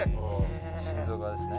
「心臓側ですね」